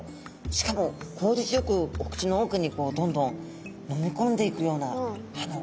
しかも効率よくお口のおくにどんどん飲み込んでいくような歯の形ですね。